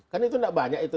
kan itu tidak banyak itu